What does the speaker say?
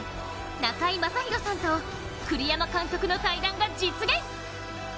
中居正広さんと栗山監督の対談が実現。